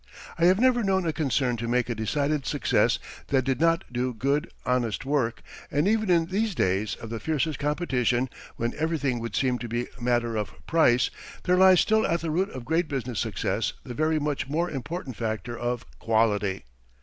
I have never known a concern to make a decided success that did not do good, honest work, and even in these days of the fiercest competition, when everything would seem to be matter of price, there lies still at the root of great business success the very much more important factor of quality.